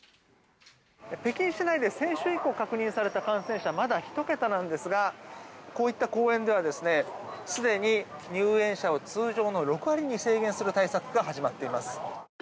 北京市内で、先週以降確認された感染者はまだ１桁ですがこういった公園ではすでに入園者を通常の６割に制限する対策が始まっています。